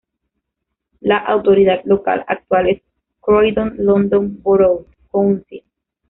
La autoridad local actual es Croydon London Borough Council.